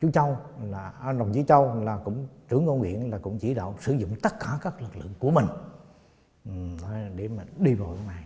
chú châu đồng chí châu là trưởng ngôn viện cũng chỉ đạo sử dụng tất cả các lực lượng của mình để mà đi vào trong này